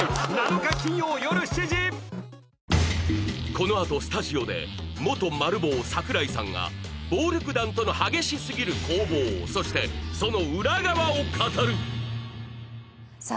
このあとスタジオで元マル暴櫻井さんが暴力団との激しすぎる攻防そしてその裏側を語るさあ